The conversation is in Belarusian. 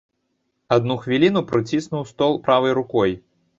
Адну хвіліну прыціснуў стол правай рукой.